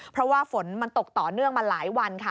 เพราะว่าฝนมันตกต่อเนื่องมาหลายวันค่ะ